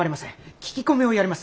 聞き込みをやります。